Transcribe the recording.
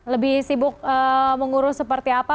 lebih sibuk mengurus seperti apa